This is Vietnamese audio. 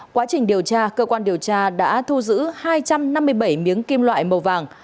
quá trình điều tra cơ quan điều tra đã thu giữ hai trăm năm mươi bảy miếng kim loại màu vàng